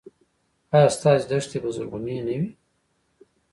ایا ستاسو دښتې به زرغونې نه وي؟